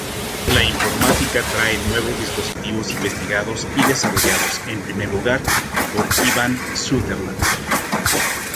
La informática trae nuevos dispositivos investigados y desarrollados en primer lugar por Ivan Sutherland.